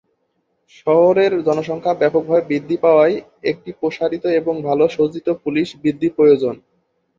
শহরের জনসংখ্যা ব্যাপকভাবে বৃদ্ধি পাওয়ায়, একটি প্রসারিত এবং ভাল সজ্জিত পুলিশ বৃদ্ধি প্রয়োজন।